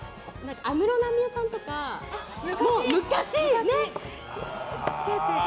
安室奈美恵さんとか昔着けてた。